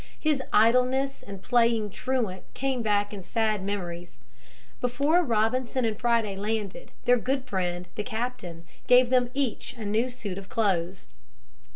His idleness and playing truant came back in sad memories. Before Robinson and Friday landed, their good friend the captain gave them each a new suit of clothes.